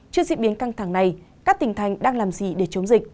trước diễn biến căng thẳng này các tỉnh thành đang làm gì để chống dịch